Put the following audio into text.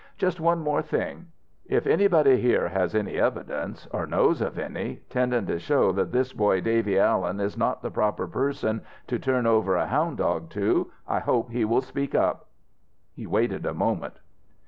"Just one more thing: If anybody here has any evidence, or knows of any, tendin' to show that this boy Davy Allen is not the proper person to turn over a houn' dog to, I hope he will speak up." He waited a moment.